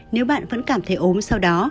nếu bạn vẫn cảm thấy ốm sau đó